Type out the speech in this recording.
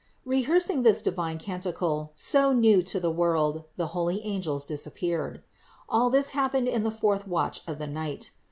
Rehearsing this divine canticle, so new to the world, the holy angels disappeared. All this happened in the fourth watch of the night.